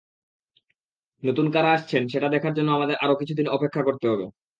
নতুন কারা আসছেন, সেটা দেখার জন্য আমাদের আরও কিছুদিন অপেক্ষা করতে হবে।